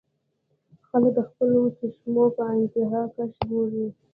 خلک د خپلو چشمو پۀ انتها کښې ګوري -